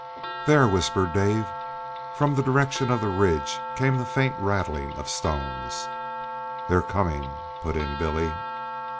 "There!" whispered Dave. From the direction of the ridge came the faint rattling of stones. "They're coming," put in Billy.